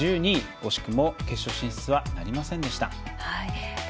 惜しくも決勝進出はなりませんでした。